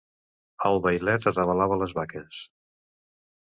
El vailet atalaiava les vaques.